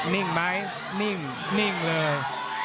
นิ่งไหมนิ่งนิ่งเลย